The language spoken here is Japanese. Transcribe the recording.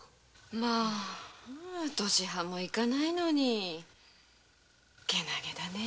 まぁまぁ年はも行かないのにけなげだね。